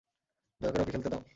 দয়া করে ওকে খেলতে দাও।